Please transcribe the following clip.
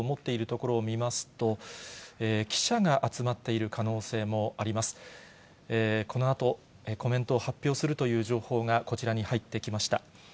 このあと、コメントを発表するという情報がこちらに入ってきました。